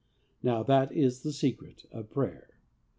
Now that is the secret of prayer.